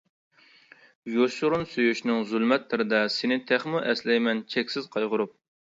يوشۇرۇن سۆيۈشنىڭ زۇلمەتلىرىدە سېنى تېخىمۇ ئەسلەيمەن چەكسىز قايغۇرۇپ.